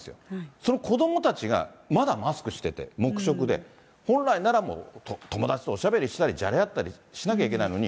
その子どもたちが、まだマスクしてて、黙食で、本来なら友達とおしゃべりしたり、じゃれ合ったりしなきゃいけないのに。